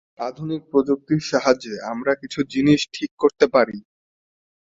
আধুনিক প্রযুক্তির সাহায্যে, আমরা কিছু জিনিস ঠিক করতে পারি।